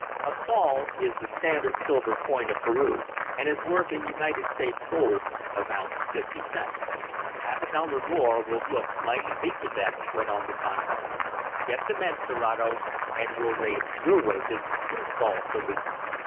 (A sol is the standard silver coin of Peru, and is worth in United States gold about fifty cents.) "Half a dollar a day more will look mighty big to them," went on the contractor. "Get the men, Serato, and we'll raise your wages two sols a week."